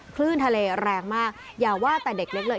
คลื่นทะเลแรงมากอย่าว่าแต่เด็กเล็กเลย